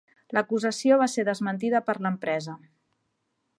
L'acusació va ser desmentida per l'empresa.